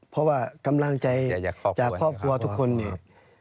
เพราะว่ากำลังใจจากครอบครัวทุกคนเนี่ย